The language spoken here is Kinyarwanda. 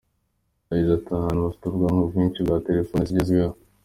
Yagize ati “Aha hantu hafite ubwoko bwinshi bwa telephone zigezweho.